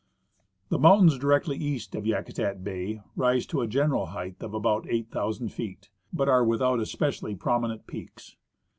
The mountains directly east of Yakutat bay rise to a general height of about 8,000 feet, but are without especially jDrominent peaks.